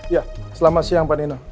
ya selamat siang pak nina